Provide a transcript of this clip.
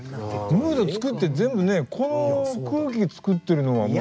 ムード作って全部ねこの空気作ってるのはもう。